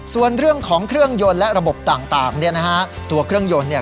ส่วนเรื่องของเครื่องยนต์และระบบต่างเนี่ยนะฮะตัวเครื่องยนต์เนี่ย